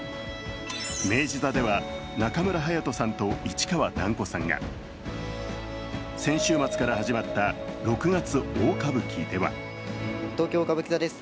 明治座では中村隼人さんと市川團子さんが、先週末から始まった「六月大歌舞伎」では東京・歌舞伎座です。